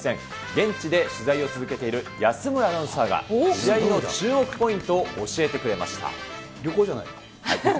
現地で取材を続けている安村アナウンサーが、試合の注目ポイントを教え旅行じゃない？